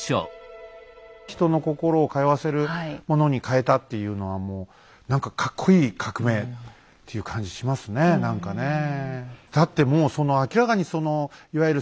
人の心を通わせるものに変えたっていうのはもう何かかっこいい革命っていう感じしますね何かねえ。